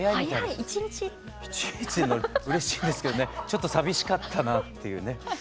１日で乗れたのうれしいんですけどねちょっと寂しかったなっていうね。